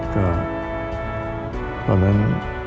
แล้วตอนนั้น